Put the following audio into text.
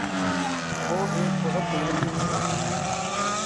وہ ایک بہت محنتی انسان ہے۔